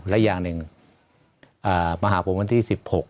และอย่างหนึ่งมาหาผมวันที่๑๖